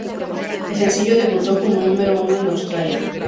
El sencillo debutó cómo número uno en Australia.